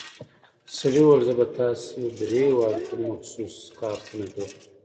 سړي وويل زه به تاسو درې واړو ته مخصوص کارتونه جوړ کم.